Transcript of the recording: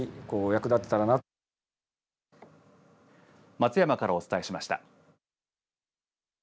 松山からお伝えしました。